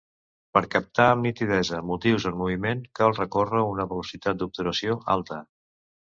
Per captar amb nitidesa motius en moviment cal recórrer a una velocitat d'obturació alta.